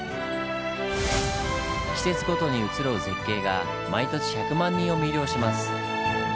季節ごとに移ろう絶景が毎年１００万人を魅了します。